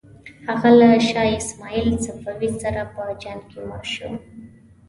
هغه له شاه اسماعیل صفوي سره په جنګ کې مړ شو.